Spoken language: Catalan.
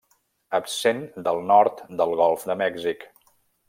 Absent del nord del Golf de Mèxic.